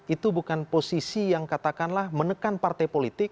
itu bukan posisi yang katakanlah menekan partai politik